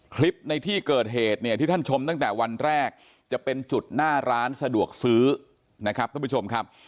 คลิปในที่เกิดเหตุเนี่ยที่ท่านชมตั้งแต่วันแรกจะเป็นจุดหน้าร้านสะดวกซื้อนะครับท่านผู้ชมครับ